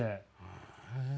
へえ。